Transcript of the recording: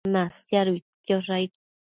Nasiaduidquiosh aid